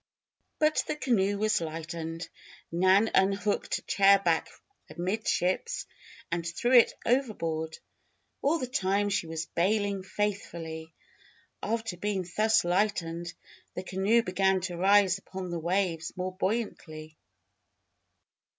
But the canoe was lightened. Nan unhooked a chair back amidships and threw it overboard. All the time she was bailing faithfully. After being thus lightened, the canoe began to rise upon the waves more buoyantly.